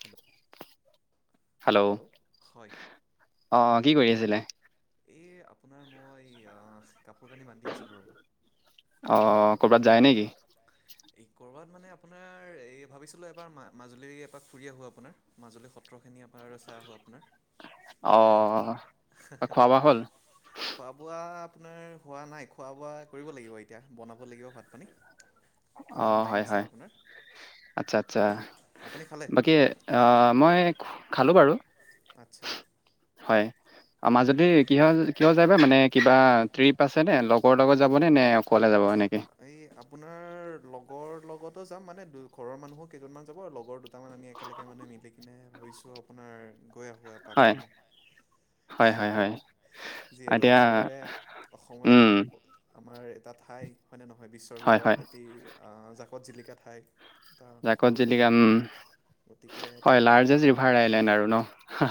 Hello হয়। অঁ, কি কৰি আছিলে। এই আপোনাৰ মই আহ, কাপোৰ কানি বান্ধি আছিলোঁ ৰ'ব। অ', কৰ'বাত যায় নেকি? এই ক'ৰবাত মানে আপোনাৰ, এই ভাবিছিলোঁ এবাৰ মাজুলী এপাক ফুৰি আহোঁ আপোনাৰ। মাজুলী সত্ৰখিনি এবাৰ চাই আহোঁ আপোনাৰ। অ'। খোৱা [unintelligible] বোৱা হ'ল খোৱা বোৱা আপোনাৰ হোৱা নাই, খোৱা বোৱা কৰিব লাগিব এতিয়া বনাব লাগিব ভাত পানী। অকণমান অ', টাইম হয়, আছে হয়, আপোনাৰ আচ্ছা, আচ্ছা আপুনি খালে বাকী অ', মই খালোঁ বাৰু। আচ্ছা। হয়, আমাৰ হয় যদি কওক কি হ'ল কিয় যায় বা মানে কিবা ট্ৰিপ আছে নে, লগৰ লগত যাবনে, নে অকলে যাব এনেকে? এই আপোনাৰ লগৰ লগতো যাম, মানে ঘৰৰ মানুহো কেইজনমান যাব আৰু লগৰ দু কেটামান আমি একেলগে মানে মিলি কিনে ভাবিছো, আপোনাৰ গৈ আহোঁ এপাক হয় মানে। হয় হয় হয় যিহেতু, এতিয়া অসমৰে, অসমৰে উম সম্প আমাৰ এটা ঠাই হয়নে নহয়, বিশ্বৰ হয় হয় ভিতৰত এটি জাকত জিলিকা ঠাই। এটা জাকত সৰু জিলিকা নদী উম গতিকে হয় তেনেকুৱা, লাৰ্জেষ্ট ৰিভাৰ আইলেণ্ড আৰু ন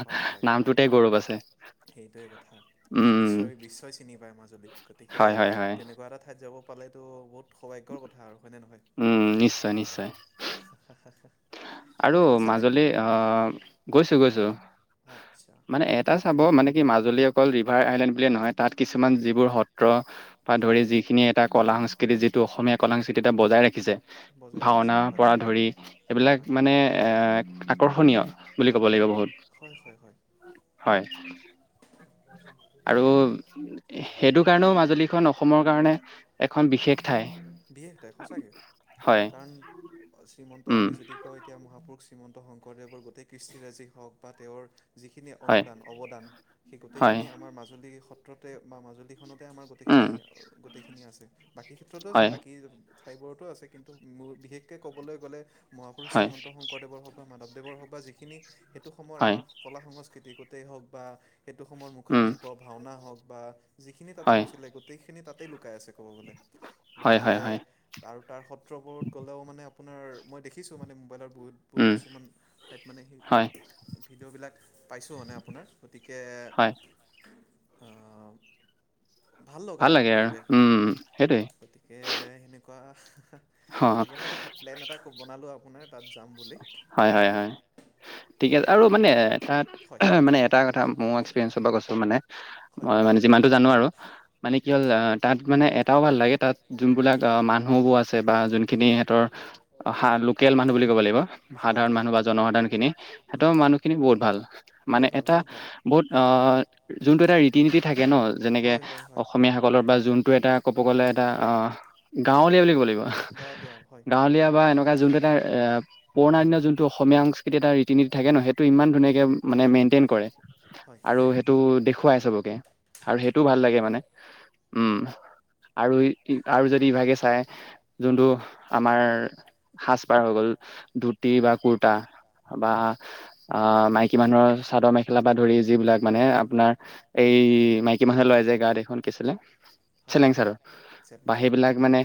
হয়, হয়, হয়, নামটোতে গৌৰৱ আছে হয়। সেইটোৱে কথা, গোটেই উম বিশ্বই, বিশ্বই চিনি পায় মাজুলীক, গতিকে হয় হয় হয় তেনেকুৱা এটা ঠাইত যাব পালেতো, বহুত সৌভাগ্যৰ কথা আৰু হয়নে নহয়? উম, নিশ্চয়, নিশ্চয়। [unintelligible] আৰু আপুনি গৈছে নাই মাজুলী গৈছো গৈছো আচ্ছা মানে এ তাত চাব মানে কি মাজুলী অকল ৰিভাৰ আইলেণ্ড বুলিয়ে নহয় তাত কিছুমান যিবোৰ সত্ৰ বা হয় ধৰি যিখিনি এটা কলা সংস্কৃতি যিটো অসমীয়া কলা সংস্কৃতি এটা বজাই ৰাখি বজাই ৰাখিছে ভাওনাৰ হয় পৰা ধৰি এইবিলাক হয় মানে এ আকৰ্ষণীয় বুলি ক'ব লাগিব অ বহুত হয় হয় হয় হয় আৰু সেইটো কাৰণেও মাজুলীখন অসমৰ কাৰণে এখন বিশেষ ঠাই বিশেষ এটাই সঁচাকে হয় কাৰণ শ্ৰীমন্ত উম আমি যদি এতিয়া মহাপুৰুষ শ্ৰীমন্ত শংকৰদেৱৰ গোটেই কৃষ্টিৰাজি হওক বা তেওঁৰ যিখিনি হয় অনুদান অৱদান সেই হয় গোটেইখিনি আমাৰ মাজুলী সত্ৰতে বা মাজুলী তে আমাৰ উম গোটখিনি গোটেইখিনি আছে বাকী ক্ষেত্ৰতো হয় বাকী ঠাইবোৰতো আছে কিন্তু বিশেষকৈ ক'বলৈ গ'লে মহাপুৰুষ হয় শ্ৰীমন্ত শং শংকৰদেৱৰ হওক বা মাধৱদেৱৰ হওক বা যিখিনি সেইটো সময়ৰ হয় আমাৰ কলা সংস্কৃতি গোটেই হওক বা সেইটো সময়ৰ উম মুখাশিল্প ভাওনা হওক বা যিখিনি তাতে হয় হৈছিলে গোটেইখিনি তাতে লুকাই আছে কব গলে হয় গতিকে হয় হয় আৰু তাৰ সত্ৰবোৰত গ'লেও মানে আপোনাৰ মই দেখিছোঁ মানে মোবাইলত বহুত বহুত উম কিছুমান ঠাইত মানে সেই হয় ভিডিঅ'বিলাক পাইছোঁ মানে আপোনাৰ গতিকে হয় অ ভাল লাগে উম সেইটোৱে গতিকে সেনেকুৱা অ, সেইকাৰণে আকৌ প্লেন এটা বনালোঁ আপোনাৰ তাত যাম বুলি হয় হয় হয় ঠিক আছে আৰু গতিকে মানে তাত হয় মানে এটা কথা মো গৈছো মানে হয় মই মানে যিমানটো জানো আৰু মানে কি হল তাত মানে এটাও ভাল লাগে তাত যোনবিলাক মানুহবোৰ আছে বা যোনখিনি সিহঁতৰ লোকেল মানুহ বুলি ক'ব লাগিব হয় সাধাৰণ হয় মানুহ বা জনসাধাৰণ খিনি সিঁহতৰ হয় মানুহখিনি বহুত ভাল মানে বহুত ভাল এটা বহুত ভাল বহুত অ যোনটো এটা ৰীতি নীতি থাকে ন যেনেকে হয় হয় হয় অসমীয়া হয় সকলৰ বা যোন টো এটা ক'ব গ'লে এটা অ গাঁৱলীয়া বুলি ক'ব গাঁৱলীয়া হয় লাগিব গাঁৱলীয়া বা এনে যোনটো এটা এ পুৰণা দিনৰ যোনটো অসমীয়া সংস্কৃতিৰ এটা ৰীতি নীতি থাকে ন সেইটো ইমান ধুনীয়াকে মানে মেইনটেইন কৰে হয় আৰু সেইটো দেখুৱাই চবকে আৰু টো ভাল হয় লাগে মানে উম আৰু আৰু যদি ইভাগে চাই যোনটো আমাৰ সাজ পাৰ হৈ গ'ল ধুতি বা কুৰ্তা বা আহ মাইকী মানুহৰ চাদৰ মেখেলা পা ধৰি যিবিলাক মানে আপোনাৰ এই মাইকী মানুহে লৈ যে গাত এইখন কি আছিলে হয় চেলেং চাদৰ চেলেং বা চাদৰ সেইবিলাক মানে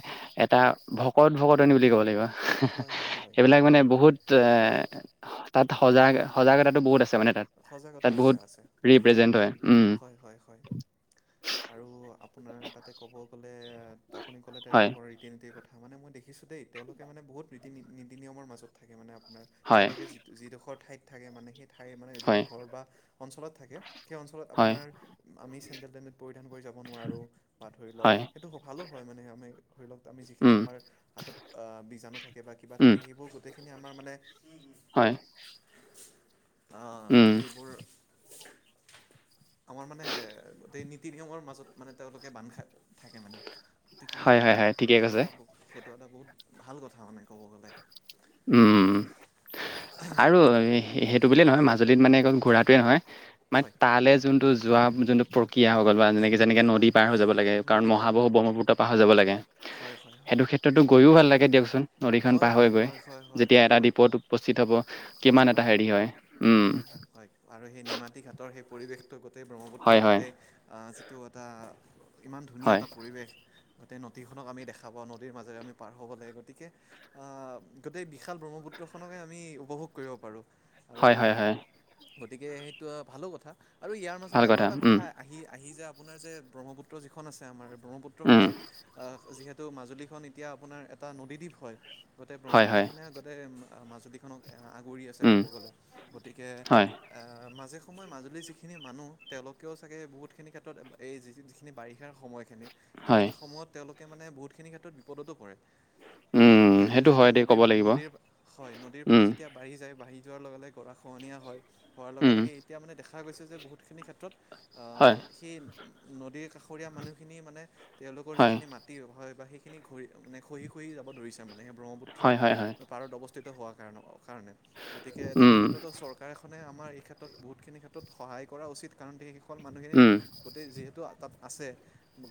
এটা ভকত ভকতনী বুলি ক'ব লাগিব হয় হয় হয় সেইবিলাক মানে বহুত এ তাত সজাগ সজাগতাটো বহুত আছে মানে সজাগতা তাত আছে বহুত আছে ৰিপ্ৰেজেন্ট হয় উম হয় হয় হয় আৰু আপোনাৰ তাতে ক'ব গ'লে আপুনি ক'লে হয় তেওঁলোকৰ ৰীতিনিতি কথা মানে মই দেখিছোঁ দেই তেওঁলোকে মানে বহুত নীতি নীতি নিয়মৰ মাজত থাকে মানে আপোনাৰ হয় তেওঁলোকে যি যিডোখৰ ঠাইত থাকে মানে সেই ঠাই মানে যিটো হয় ঘৰ বা অঞ্চলত থাকে সেই অঞ্চলত হয় আপোনাৰ আমি চেণ্ডেল টেন্দেল পৰিধান কৰি যাব নোৱাৰোঁ বা ধৰি লওক হয় ভালো হয় মানে, আমি ধৰি লওক আমি যিখিনি উম আমাৰ- হাত'ত বীজাণু থাকে বা কিবা উম থাকে সেইবোৰ গোটেইখিনি আমাৰ মানে- হয় আহ' উম তুমি সেইবোৰ- আমাৰ মানে গোটেই নীতি-নিয়মৰ মাজত মানে তেওঁলোকে বান্ধ খায় থাকে মানে গতিকে হয় হয় হয় ঠিকে সেইটো কৈছে এটা ব সেইটো এটা বহুত ভাল কথা মানে ক'ব গ'লে। উমঁ উমঁ উমঁ আৰু সেইটো বুলিয়েই নহয় হয় মাজুলীত মানে ঘুৰাটোৱে নহয়। মানে হয় তালে যোনটো যোৱা যোনটো প্ৰক্ৰিয়া হৈ গ'ল বা যেনেকৈ যেনেকৈ নদী হয় পাৰ হৈ যাব লাগে কাৰণ নদী পাৰ হৈ মহাবহু যাব লাগে ব্ৰহ্মপুত্ৰ পাৰ হৈ যাব লাগে। হয় হয় হয়। তাতো গৈও ভাল লাগে দিয়কচোন। নদীখন হয় পাৰ হৈ হয় গৈ হয় হয় হয় যেতিয়া হয় এটা হয়। দ্বীপত উপস্থিত হ'ব কিমান এটা হেৰি হয়। উমঁ। নিমা হয় আৰু সেই নিমাতী ঘাটৰ সেই পৰিৱেশটো গোটেই ব্ৰহ্মপুত্ৰ হয় হয় গোটেই আহ' যিটো এটা ইমান ধুনীয়া হয় এটা পৰিৱেশ তাতে নদীখনক আমি দেখা পাওঁ, নদীৰ মাজেৰে আমি পাৰ হ'ব লাগে। গতিকে আহ' গোটেই বিশাল ব্ৰহ্মপুত্ৰখনকে আমি উপভোগ কৰিব পাৰোঁ। হয় আৰু হয় হয়। গতিকে সেইটো ভালো কথা আৰু ইয়াৰ ভাল মাজতে আৰু এটা উম, কথা- আহি আহি যে আপোনাৰ যে ব্ৰহ্মপুত্ৰ যিখন আছে আমাৰ উম, ব্ৰহ্মপুত্ৰখনে আহ' যিহে তু মাজুলীখন এতিয়া আপোনাৰ এটা নদীদ্বীপ হয়, গোটেই হয়, হয়, ব্ৰহ্মপুত্ৰখনে গোটেই মাজুলীখনক আগুৰি আছে উম, ক'ব গ'লে। গতিকে হয়, আহ' মাজে সময়ে মাজুলীৰ যিখিনি মানুহ তেওঁলোকেও চাগে বহুতখিনি ক্ষেত্ৰত এই যি যিখিনি বাৰিষাৰ সময়- হয়, সেইখিনি সময়ত তেওঁলোকে মানে বহুতখিনি ক্ষেত্ৰত বিপদতো পৰে। কাৰণ উম, মানে সেইটো হয় যেতিয়া দেই নদীৰ ক'ব লাগিব। নদীৰ হয়, নদীৰ পানী উম, এতিয়া বাঢ়ি যায় বাঢ়ি যোৱাৰ লগে লগে গৰা খহনীয়া হয়, হোৱাৰ লগে উম, লগে এতিয়া মানে দেখা গৈছে যে বহুতখিনি ক্ষেত্ৰত হয়, সেই নদীৰ কাষৰীয়া মানুহখিনি মানে তেওঁলোকৰ হয়, যিখিনি মা টি হয় বা সেইখিনি ঘ মানে খহি খহি যাব ধৰিছে মানে ব্ৰহ্মপুত্ৰ হয়, হয়, হয়, পাৰত অবস্থিত হোৱাৰ কাৰণে গতিকে উম, তেনেক্ষেত্ৰতো চৰকা চকাৰখনে আমাৰ এই ক্ষেত্ৰত বহুতখিনি ক্ষেত্ৰত সহায় কৰা উচিত কাৰণ সেইসকল মানুহখিনি উম, গোটেই যিহেতু তাত আছে,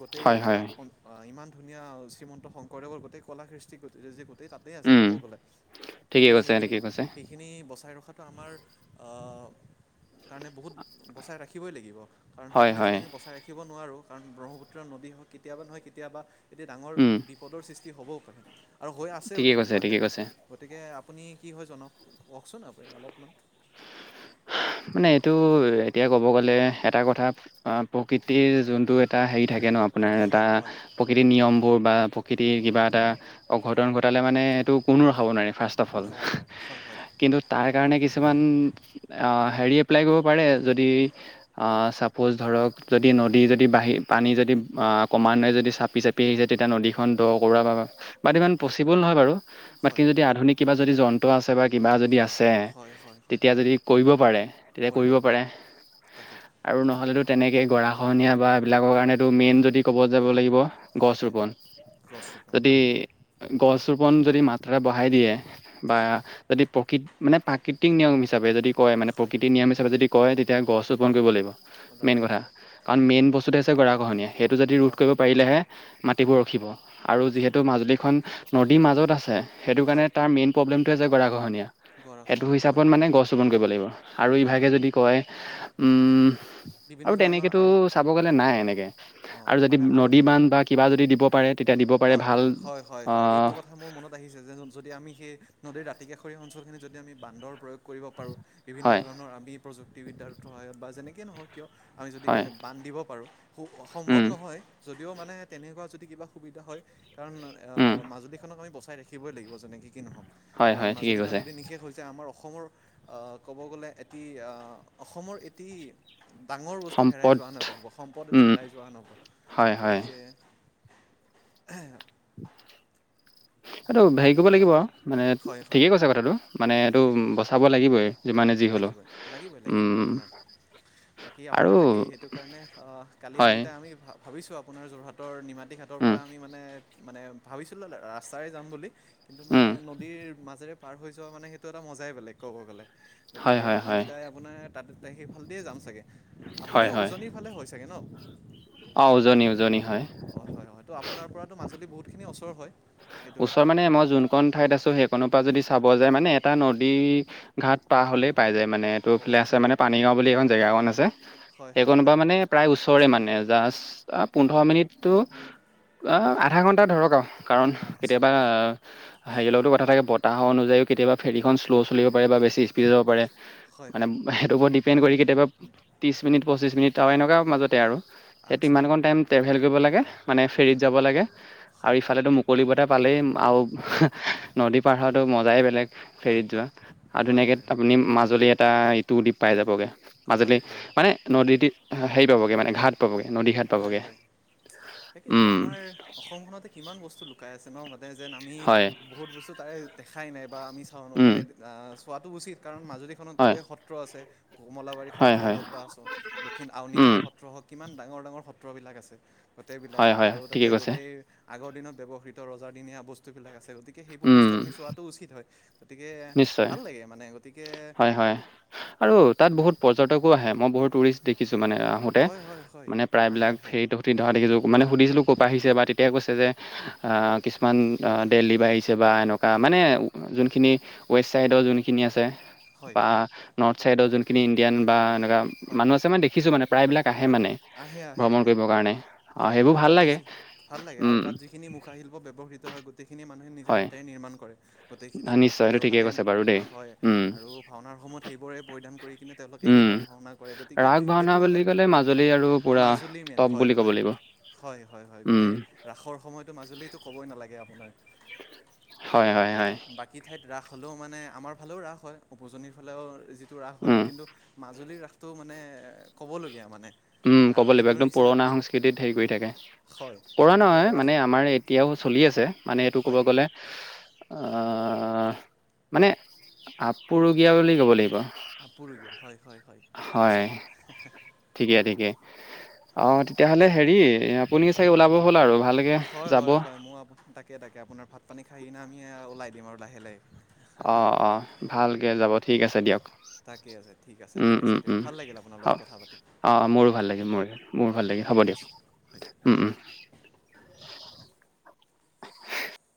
গোটেই হয়, এটা হয়, অঁ' ইমান ধুনীয়া শ্ৰীমন্ত শংকৰদেৱৰ গোটেই কলাকৃষ্টি গোটে যিবোৰ গোটেই তাতেই আছে উম, ক'ব গ'লে, ঠিকেই গতিকে কৈছে, সেইখিনি ঠিকেই কৈছে, খিনি বচাই ৰখাটো আমাৰ আহ' কাৰণে বহুত বচাই ৰাখিবই লাগিব কাৰণ হয়, সেইখিনি যদি হয়, আমি বচাই ৰাখি ৰাখিব নোৱাৰোঁ কাৰণ ব্ৰহ্মপুত্ৰৰ নদী হয় কেতিয়াবা নহয় কেতিয়াবা এতিয়া ডাঙৰ উম, বিপ পদৰ সৃষ্টি হ'বও পাৰে আৰু হৈ আছেও ঠিকেই কৈছে, তেনেকুৱা ঠিকেই ক্ষেত্ৰত। কৈছে। গতিকে আপুনি কি হয় জনাওক, কওকচোন আপুনি অলপমান? মানে এইটো এতিয়া ক'ব গ'লে এটা কথা আহ' প্ৰকৃতিৰ যোনটো এটা হেৰি থাকে ন' আপোনাৰ এটা হয় হয় প্ৰকৃতিৰ নিয়মবোৰ বা প্ৰকৃতিৰ কিবা এটা অঘটন ঘটালে মানে এইটো কোনো ৰখাব নোৱাৰি ফাৰ্ষ্ট অফ অল। ৰখাব নোৱাৰে হয় হয়। কিন্তু তাৰ কাৰণে কিছুমান হেৰি এপ্লাই কৰিব পাৰে। যদি অঁ' চাপ'জ ধৰক যদি নদী যদি বাঢ়ি পানী যদি ক্ৰমান্বয়ে যদি চাপি চাপি যে তেতিয়া নদীখন দ' কৰা বা বা এইটো ইমান পচিবল নহয় বাৰু। বাকী হয় যদি আধুনিক কিবা যদি যন্ত্ৰ আছে বা কিবা যদি হয় আছে, হয় হয় হয় তেতিয়া যদি কৰিব পাৰে, তেতিয়া কৰিব পাৰে। তাকে আৰু নহ'লেতো তেনেকে গৰাখহনীয়া বা এইবিলাকৰ কাৰণেতো মেইন যদি ক'ব যাব লাগিব- গছ হয় ৰোপন। গছ ৰোপণ যদি গছ ৰোপন যদি মাত্ৰা বঢ়াই দিয়ে বা হয় যদি প্ৰকৃত মানে প্ৰাকৃতিক নিয়ম হিচাপে যদি কয় মানে হয় প্ৰকৃতি নিয়ম হিচাপে যদি কয় তেতিয়া গছ ৰোপণ কৰিব লাগিব। মেইন লাগিব। কথা কাৰণ মেইন বস্তুটো হৈছে গৰাখহনীয়া, সেইটো যদি ৰোধ কৰিব ঘৰাখন পাৰিলেহে হয় মাটিবোৰ ৰখিব। আৰু ৰখিব যিহেতু মাজুলীখন নদীৰ মাজত আছে, সেইটো কাৰণে হয় তাৰ মেইন প্ৰব্লেমটোৱে হছে গৰা খহনীয়া। সেটো গৰাখহনীয়া হয় হিচাপত মানে গছ ৰোপণ কৰিব লাগিব আৰু ৰোপণ ইভাগে কৰিব যদি লাগে কয় উম্- বিভিন্ন আৰু ধৰণৰ তেনেকেটো আৰু চাব গ'লে নাই এনেকে, অঁ আৰু যদি মানে আৰু নদী বান্ধ বা কিবা যদি দিব পাৰে তেতিয়া দিব পাৰে হয় হয়- হয় হয় হয় ভাল এইটো কথা মোৰ মনত বাঢ়িছে যে যদি আমি সেই নদীৰ দাতিকাষৰীয়া অঞ্চলখিনিত যদি আমি বান্ধৰ প্ৰয়োগ কৰিব পাৰোঁ, বিভিন্ন হয়, ধৰণৰ আমি প্ৰযুক্তিবিদ্যাৰ সহায়ত বা যেনেকে নহওক কিয় আমি যদি হয়, কেনে বান্ধ দিব পাৰোঁ, সু- সম্ভৱ উম, নহয়, যদিও মানে তেনেকুৱা যদি কিবা সুবিধা হয় কাৰণ অ্ উম, মাজুলীখনক আমি বচাই ৰাখিবই লাগিব যেনেকে কি নহওক। হয়, কাৰণ হয়, ঠিকেই মাজুলীখন কৈছে। যদি নিশেষ হৈ যায় আমাৰ অস ষমৰ, অ ক'ব গ'লে এটি অসমৰ এটি ডাঙৰ বস্তু হেৰাই সম্পদ যোৱা হেন হ'ব সম্পদ এটি উম, হেৰাই যোৱা হেন হ'ব। হয়, হয়, গতিকে [unintelligible] [unintelligible] সেটো হেৰি সেইটোৱে কৰিব কথা লাগিব, মানে হয় হয় ঠিকেই কৈছে কথাটো মানে এইটো তাকে বচাব লাগিবই। যিমানে যি হলো। লাগিবই লাগিবই লাগিবই উম্ আপোনাৰ বাকী আপোনাৰ তাকেই সেইটো কাৰণে অ্ কালি আ হয়, কেইটা আমি ভাবিছোঁ আপোনাৰ যোৰহাটৰ নিমাতী ঘাটৰ উম, পৰা আমি মানে, মানে ভাবিছিলোঁ ৰাস্তাৰে যাম বুলি। কিন্তু মানে উম, নদীৰ মাজেৰে পাৰ হৈ যোৱা মানে সেইটো এটা মজাই বেলেগ ক'ব গ'লে। হয়, গতিকে হয়, আমি হয়, কেইটাই আপোনাৰ তাত সেইফালেদিয়েই যাম চাগে! হয়, আপুনিও উজনিৰ ফালে হয় চাগে ন? অঁ উজনি উজনি হয়। হয় হয়- ত' আপোনাৰ পৰাতো মাজুলী বহুতখিনি অচৰ হয়? সেইটো ওচৰ ক্ষেত্ৰত মানে মই যোনকন ঠাইত আছো সেইখনৰ পৰা যদি চাব যায় মানে এটা নদী ঘাট পাৰ হ'লেই পাই যায় মানে এইটো এইফালে আছে অ'কে মানে পানীগাঁও বুলি এখন জেগা এখন আছে। হয় সেই হয় কনপা হয় মানে প্ৰায় ওচৰে মানে জাষ্ট অ পোন্ধৰ মিনিটটো, অ আধা ঘণ্টা ধৰক আঔ। কাৰণ আচ্ছা কেতিয়াবা হাৰিয় লগতো কথা থাকে বতাহ অনুযায়ীও কেতিয়াবা ফেৰীখন শ্ল' চলিব পাৰে বা বেছি স্পীডে যাব পাৰে। হয় মানে হয় সেইটোৰ ওৰত ডিপেণ্ড কৰি কেতিয়াবা ত্ৰিশ মিনিট-পঁচিশ মিনিট আৰু এনেকুৱা মাজতে আৰু। সেইটো আচ্ছা ইমানকণ টাইম ট্ৰেভেল কৰিব লাগে, মানে ফেৰীত অ'কে যাব লাগে, আৰু হয় ইফালেতো মুকলি বতা- পালেই আও- নদী পাৰ হৱাটো মজাই বেলেগ, হয় ফেৰীত হয় যোৱা আৰু হয় হয় ধুনীয়াকে- হয় মাজুলী এটা ইটো দ্বীপ পাই যাবগে, হয় মাজুলী- হয় মানে নদী দী- হেৰি পাবগে মানে ঘাট পাবগে- নদী ঘাট হয় পাবগে। হয় তাকেইতো উম্ আমাৰ অসমখনতে কিমান বস্তু লুকাই আছে ন' মানে যেন আমি হয় বহুত বস্তু তাৰে দেখাই নাই বা আমি চাওঁনো উম মানে চোৱাটো উচিত কাৰণ মাজুলীখনত হয় গোটেই সত্ৰ আছে কমলাবাৰী হয় সত্ৰ হয় হওঁক বা দক্ষিণ উম, আউনীহাটী সত্ৰ হওঁক কিমান ডাঙৰ ডাঙৰ সত্ৰবিলাক আছে। গোটেইবিলাক, হয়, হয়, আৰু তাতে ঠিকে কৈছে। গোটেই আগৰ দিনত ব্যৱহৃত ৰজাদিনীয়া বস্তুবিলাক আছে। গতিকে গতিকে সেইবোৰ বস্তু উম, আমি চোৱাটো উচিত হয়, গতিকে নিশ্চয়। ভাল লাগে মানে। গতিকে হয়, হয়। আৰু তাত বহুত পৰ্য্যটকো আহে, মই বহুত টুৰিষ্ট দেখিছো মানে আহোতে হয় হয় হয় মানে আহে প্ৰায়বিলাক আহে ফেৰীত ত অহা দেখছো। মানে সুধিছিলোঁ ক'ৰ পৰা আহিছে বা তেতিাই কৈছে যে আহ কিছুমান দেলহী পা আহিছে বা এনেকুৱা বা মানে যোনখিনি ৱেষ্ট ছাইডৰ যোনখিনি আছে হয় বা নৰ্থ ছাইডৰ যোনখিনি ইণ্ডিয়ান বা এনেকুৱা হয় মানুহ আছে মানে দেখিছো মানে প্ৰায়বিলাক আহে হয় মানে আহে আহে ভ্ৰমণ আহে কৰিবৰ কাৰণে, অ' হয় সেইবোৰ আৰু ভাল তাতে লাগে। যি ভাল লাগে। আৰু উম, তাত যিখিনি মুখাশিল্প ব্যয়ৱহৃত হয় গোটেইখিনি মানুহে নিজে হয়, হাতেৰে নিৰ্মাণ কৰে। গোটেইখিনি, নিশ্চয় এইটো আৰু ঠিকেই হাতেৰে কৈছে বাৰু দেই। হয়। উম, আৰু ভাওনাৰ সময়ত সেইবোৰে পৰিধান কৰি কিনে তেওঁলোকে উম। সেইবোৰ ভাওনা কৰে। গতিকে ৰাগ ভাওনা সেইটো মানে বুলি ক'লে মাজুলী আৰু পুৰা মাজুলী মেইন টপ হয় বুলি ক'ব হয়। লাগিব। হয়, হয়, হয় উম, গোটেই ৰাসৰ সময়টো মাজুলীতো ক'বই নালাগে আপোনাৰ। হয়, হয়, হয়। কি ঠাইত ৰাস হ'লেও মানে আমাৰ ফালেও ৰাস হয়, উজনিৰ ফালেও টো ৰাস হয়। উম, কিন্তু মাজুলীৰ ৰাসটো মানে ক'বলগীয়া মানে। উম, আৰু ক'ব লাগিব সেইটোৰ একদম নিচিনা পুৰণা সেই সংস্কৃতিত হেৰি কৰি থাকে, হয় পুৰনা গতিকে নহয় আৰু ৰাস মানে আমাৰ এতিয়াও চলি আছে মানে এইটো ক'ব হয় গ'লে। মানে আপুৰুগীয়া বুলি ক'ব লাগিব। আপুৰুগীয়া হয় হয় হয় হয়, সঁচাকৈ। ঠিকে, ঠিকে। অঁ, তেতিয়াহ'লে তাকে হেৰি আপুনি চাগে ওলাব হ'ল আৰু ভালকে যাব। মোৰ আপোনাৰ তাক তাকে তাকে, আপোনাৰ ভাত পানী খাই কিনে আমি ওলাই দিম আৰু লাহে লাহে। অঁ অঁ ভালকৈ যাব ঠিক আছে দিয়ক। তাকে আছে ঠিক আছে উম, ঠিক আছে উম, দিয়ক উম ভাল লাগিল আপোনাৰ হ লগত কথা পাতি অ' মোৰো ভাল দিয়ক লাগে মোৰ মোৰো দিয়ক ভাল লাগিল হ'ব ঠিক আছে হয় দিয়ক।